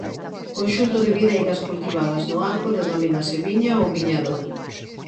O conxunto de videiras cultivadas no agro denomínase viña ou viñedo.